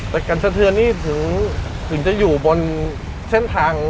แต่การสะเทือนนี่ถึงจะอยู่บนเส้นทาง